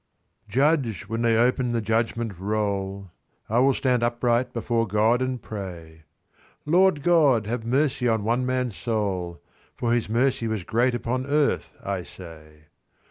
"Judge, when they open the judgment roll, I will stand upright before God and pray: 'Lord God, have mercy on one man's soul, For his mercy was great upon earth, I say.